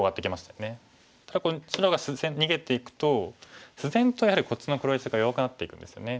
ただ白が逃げていくと自然とやはりこっちの黒石が弱くなっていくんですよね。